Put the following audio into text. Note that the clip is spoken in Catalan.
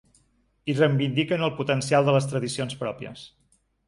I reivindiquen el potencial de les tradicions pròpies.